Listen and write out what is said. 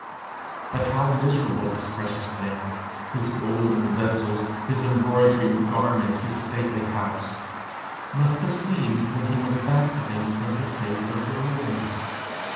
But how miserable his precious things, his golden vessels, his embroidered garments, his stately house, must have seemed when he went back to them from the face of the Lord!